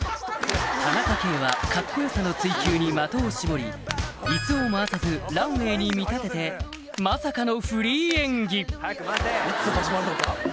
田中圭はカッコ良さの追求に的を絞りイスを回さずランウエーに見立ててまさかの